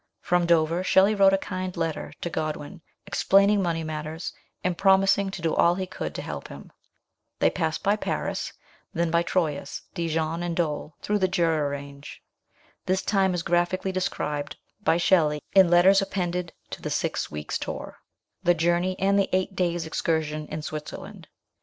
From Dover Shelley wrote a kind letter to Godwin, explaining money matters, and promising to do all he could to help him. They pass by Paris, then by Troyes, Dijon, and Dole, through the Jura range. This time is graphically described by Shelley in letters appended to the Six Weeks' Tour ; the journey and the eight days' excursion in Switzerland.